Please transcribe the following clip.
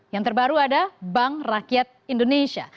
yang terbaru ada bank rakyat indonesia